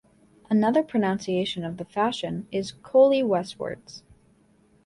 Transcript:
Another pronunciation of the fashion is "coley-westwards".